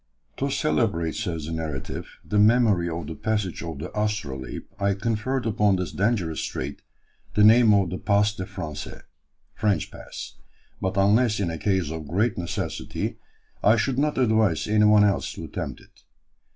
"To celebrate," says the narrative, "the memory of the passage of the Astrolabe, I conferred upon this dangerous strait the name of the 'Passe des Français'" (French Pass), "but, unless in a case of great necessity, I should not advise any one else to attempt it.